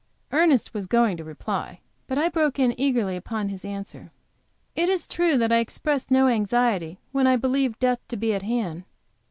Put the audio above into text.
Ernest was going to reply, but I broke in eagerly upon his answer: "It is true that I expressed no anxiety when I believed death to be at hand.